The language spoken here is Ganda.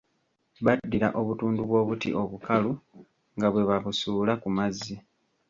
Baddira obutundu bw'obuti obukalu nga bwe babusuula ku mazzi.